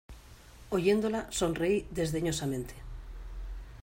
oyéndola, sonreí desdeñosamente.